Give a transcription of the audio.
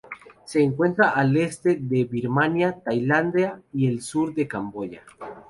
Se encuentra al este de Birmania, Tailandia y el sur de Camboya.